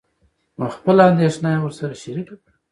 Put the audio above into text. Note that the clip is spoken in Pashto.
نو خپله اندېښنه يې ورسره شريکه کړه.